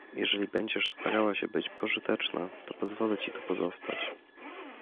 Jeżeli będziesz starała się być pożyteczna, to pozwolę ci tu pozostać.